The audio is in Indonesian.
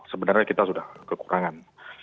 sebenarnya kita sudah kekurangan